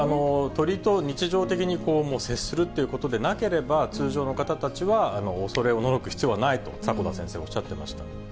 鳥と日常的に接するっていうことでなければ、通常の方たちは、恐れおののく必要はないと、迫田先生、おっしゃってました。